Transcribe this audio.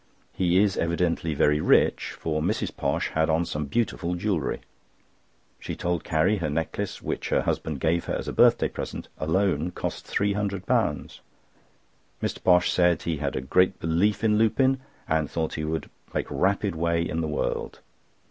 He is evidently very rich, for Mrs. Posh had on some beautiful jewellery. She told Carrie her necklace, which her husband gave her as a birthday present, alone cost £300. Mr. Posh said he had a great belief in Lupin, and thought he would make rapid way in the world.